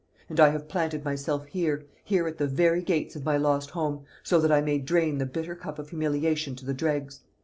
And I have planted myself here here at the very gates of my lost home so that I may drain the bitter cup of humiliation to the dregs.